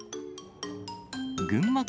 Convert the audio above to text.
群馬県